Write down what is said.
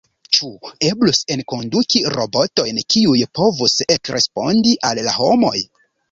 Ĉu eblus enkonduki robotojn, kiuj povus ekrespondi al la homoj?